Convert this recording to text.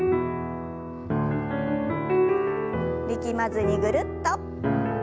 力まずにぐるっと。